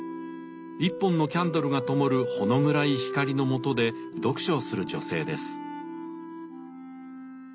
１本のキャンドルがともるほの暗い光の下で読書をする女性です。